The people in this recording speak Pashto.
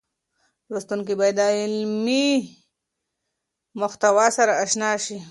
لوستونکي بايد د علمي محتوا سره اشنا شي.